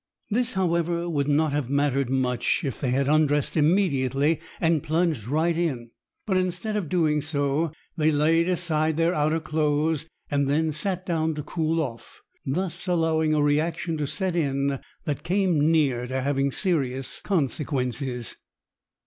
This, however, would not have mattered much if they had undressed immediately and plunged right in; but instead of doing so, they laid aside their outer clothes and then sat down to cool off, thus allowing a reaction to set in that came near having serious consequences.